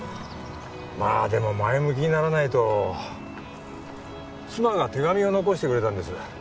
まあでも前向きにならないと妻が手紙を残してくれたんです